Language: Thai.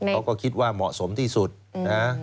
เขาก็คิดว่าเหมาะสมที่สุดนะ